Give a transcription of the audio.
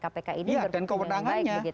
kpk ini berpengaruh baik begitu ya